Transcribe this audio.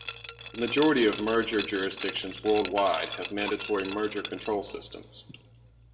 The majority of merger jurisdictions worldwide have mandatory merger control systems.